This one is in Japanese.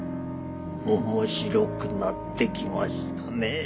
面白くなってきましたね。